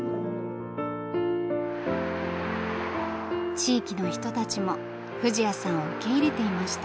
地域の人たちも藤彌さんを受け入れていました。